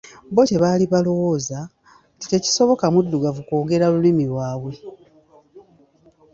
Bo kye baali balowooza nti tekisoboka mudugavu kwogera lulimi lwabwe.